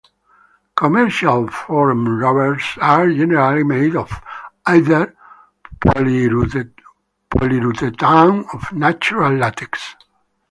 Commercial foam rubbers are generally made of either polyurethane or natural latex.